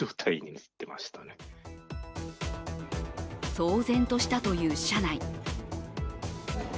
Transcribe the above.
騒然としたという車内。